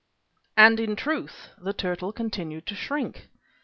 And, in truth, the turtle continued to shrink.